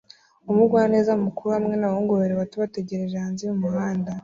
Umugwaneza mukuru hamwe nabahungu babiri bato bategereje hanze yumuhanda